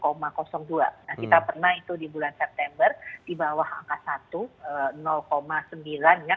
nah kita pernah itu di bulan september di bawah angka satu sembilan ya